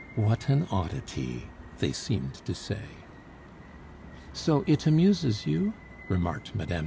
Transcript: "What an oddity!" they seemed to say. "So it amuses you?" remarked Mme.